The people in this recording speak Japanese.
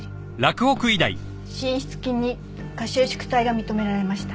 心室筋に過収縮帯が認められました。